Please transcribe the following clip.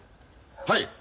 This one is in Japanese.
はい！